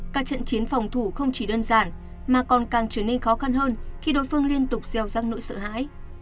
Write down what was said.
các trận chiến phòng thủ không chỉ đơn giản mà còn càng trở nên khó khăn hơn khi đối phương liên tục gieo rắc nỗi sợ hãi